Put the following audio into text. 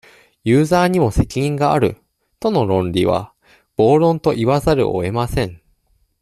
ユーザーにも責任がある、との論理は、暴論と言わざるをえません。